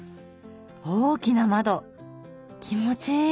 大きな窓気持ちいい！